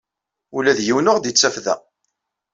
Ula d yiwen ur aɣ-d-yettaf da.